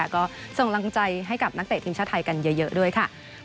ก็ส่งกำลังใจให้กับนักเตะทีมชาติไทยกันเยอะด้วยค่ะ